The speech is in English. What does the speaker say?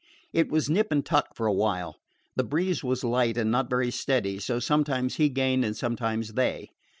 It was nip and tuck for a while. The breeze was light and not very steady, so sometimes he gained and sometimes they.